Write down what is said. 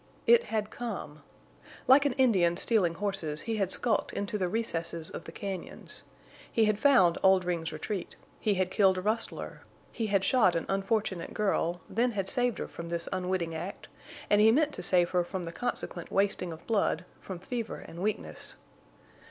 It had come. Like an Indian stealing horses he had skulked into the recesses of the cañons. He had found Oldring's retreat; he had killed a rustler; he had shot an unfortunate girl, then had saved her from this unwitting act, and he meant to save her from the consequent wasting of blood, from fever and weakness.